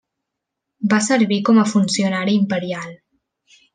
Va servir com a funcionari imperial.